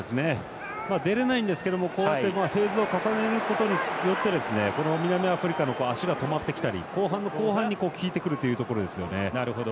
出れないんですけどこうやってフェーズを重ねることによって南アフリカの足が止まってきたり後半の後半に効いてくるというところですね。